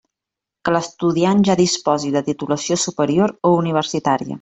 Que l'estudiant ja disposi de titulació superior o universitària.